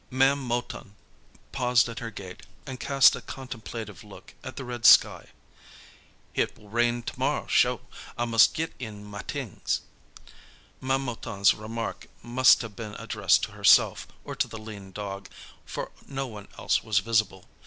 Ma'am Mouton paused at her gate and cast a contemplative look at the red sky. "Hit will rain to morrow, sho'. I mus' git in my t'ings." Ma'am Mouton's remark must have been addressed to herself or to the lean dog, for no one else was visible.